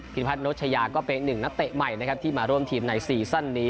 พัฒนชยาก็เป็นหนึ่งนักเตะใหม่นะครับที่มาร่วมทีมในซีซั่นนี้